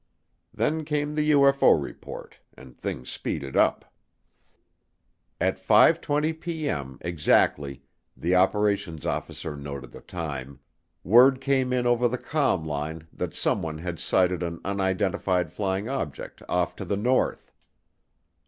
Then came the UFO report and things speeded up. At 5:20P.M., exactly, the operations officer noted the time, word came in over the comm line that someone had sighted an unidentified flying object off to the north.